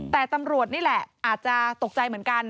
แต่ตำรวจนี่แหละอาจจะตกใจเหมือนกัน